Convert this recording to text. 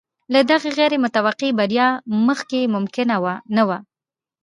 له دغې غیر متوقع بریا مخکې ممکنه نه وه.